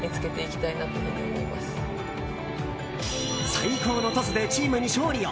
最高のトスでチームに勝利を！